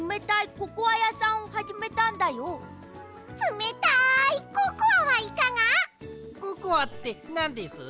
ココアってなんです？